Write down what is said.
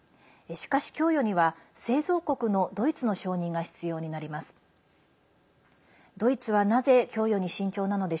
しかし、供与には製造国のドイツの承認が必要になります。